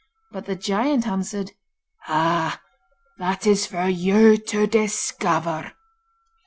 But the giant answered: 'Ah, that is for you to discover.